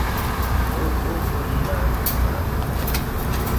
Тур-тур турийлан мурашыже